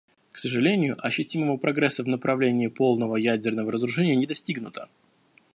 К сожалению, ощутимого прогресса в направлении полного ядерного разоружения не достигнуто.